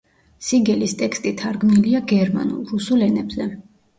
სიგელის ტექსტი თარგმნილია გერმანულ, რუსულ ენებზე.